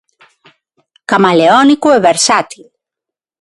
Camaleónico e versátil.